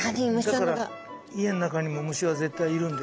だから家ん中にも虫は絶対いるんです。